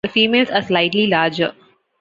The females are slightly larger.